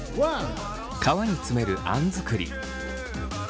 皮に詰めるあん作り。